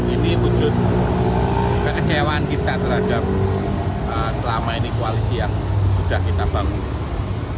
ini wujud kekecewaan kita terhadap selama ini koalisi yang sudah kita bangun